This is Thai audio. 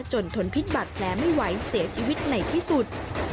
ทนพิษบัตรแผลไม่ไหวเสียชีวิตในที่สุด